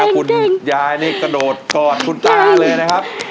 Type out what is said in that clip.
คุณยายนี่กระโดดกอดคุณตาเลยนะครับ